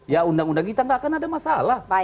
ya undang undang kita nggak akan ada masalah